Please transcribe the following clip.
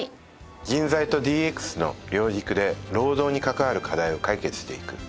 人材とＤＸの両軸で労働に関わる課題を解決していく。